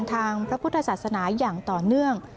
ทางพระพุทธศาสนาอย่างต่อเนื่อง